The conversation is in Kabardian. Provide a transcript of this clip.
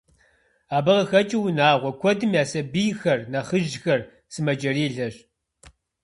Абы къыхэкӏыу унагъуэ куэдым я сабийхэр, нэхъыжьхэр сымаджэрилэщ.